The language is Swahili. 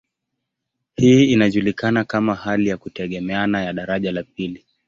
Hii inajulikana kama hali ya kutegemeana ya daraja la pili.